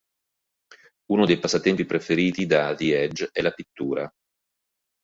Uno dei passatempi preferiti da The Edge è la pittura.